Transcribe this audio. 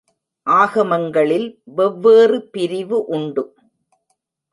ஆகமங்களில் வெவ்வேறு பிரிவு உண்டு.